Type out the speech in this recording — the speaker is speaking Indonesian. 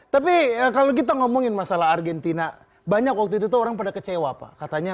tapi kalau kita ngomongin masalah argentina banyak waktu itu orang pada kecewa pak katanya